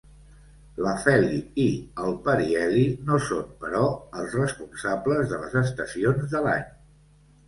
L'afeli i el periheli no són, però, els responsables de les estacions de l'any.